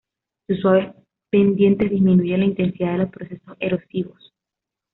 Sus suaves pendientes disminuyen la intensidad de los procesos erosivos.